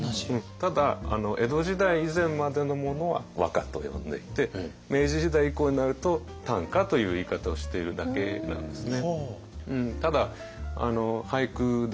ただ江戸時代以前までのものは和歌と呼んでいて明治時代以降になると短歌という言い方をしているだけなんですね。